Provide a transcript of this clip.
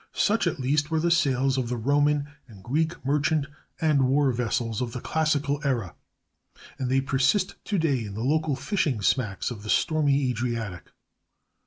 Such at least were the sails of the Roman and Greek merchant and war vessels of the classical era, and they persist to day in the local fishing smacks of the stormy Adriatic.